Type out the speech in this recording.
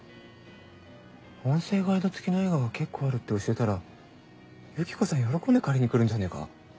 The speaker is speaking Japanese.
音声ガイド付きの映画が結構あるって教えたらユキコさん喜んで借りに来るんじゃねえか？